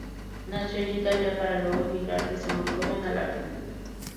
Nació en Italia, para luego emigrar desde muy joven a la Argentina.